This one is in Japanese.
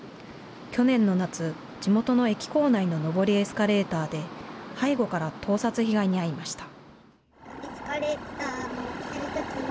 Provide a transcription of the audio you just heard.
去年の夏、地元の駅構内の上りエスカレーターで背後から盗撮被害に遭いました。